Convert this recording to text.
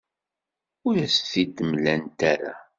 Ur as-t-id-mlant ara.